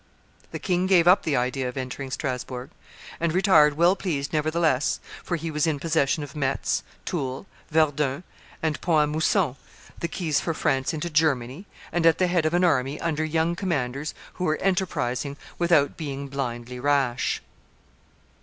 The king gave up the idea of entering Strasbourg, and retired well pleased nevertheless, for he was in possession of Metz, Toul, Verdun, and Pont a Mousson, the keys for France into Germany, and at the head of an army under young commanders who were enterprising without being blindly rash.